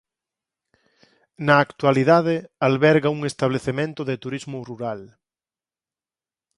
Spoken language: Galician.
Na actualidade alberga un establecemento de turismo rural.